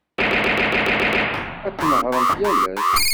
Ad tnehhṛemt yal ass.